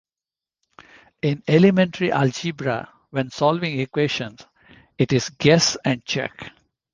In elementary algebra, when solving equations, it is "guess and check".